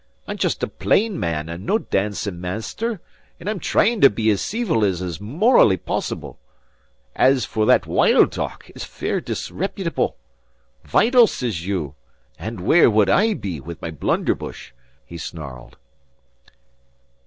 I'm just a plain man and nae dancing master; and I'm tryin to be as ceevil as it's morally possible. As for that wild talk, it's fair disrepitable. Vitals, says you! And where would I be with my blunderbush?" he snarled.